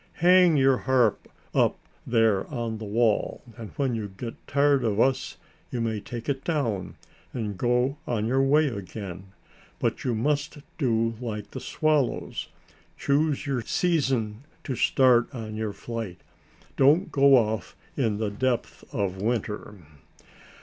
Hang your harp up there on the wall and when you get tired of us you may take it down and go on your way again, but you must do like the swallows, choose your season to start on your flight. Don't go off in the depth of winter."